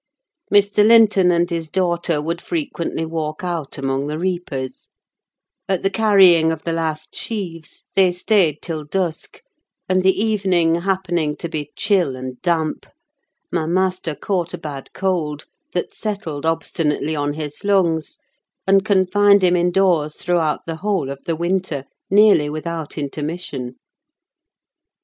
Mr. Linton and his daughter would frequently walk out among the reapers; at the carrying of the last sheaves they stayed till dusk, and the evening happening to be chill and damp, my master caught a bad cold, that settled obstinately on his lungs, and confined him indoors throughout the whole of the winter, nearly without intermission.